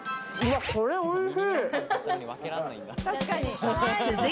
これ、おいしい！